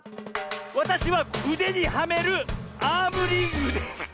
わたしはうでにはめるアームリングです！